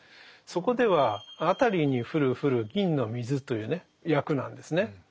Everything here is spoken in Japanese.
そこでは「あたりに降る降る銀の水」というね訳なんですね。